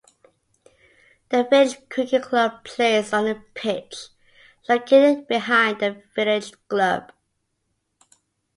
The village cricket club plays on a pitch located behind the village club.